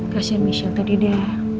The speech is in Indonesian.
kasian michelle tadi deh